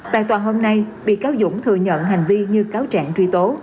tại tòa hôm nay bị cáo dũng thừa nhận hành vi như cáo trạng truy tố